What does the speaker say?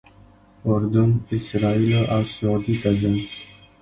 اردن، اسرائیلو او سعودي ته ځم.